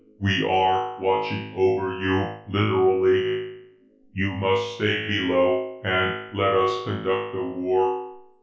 We are watching over you, literally. You must stay below and let us conduct the war.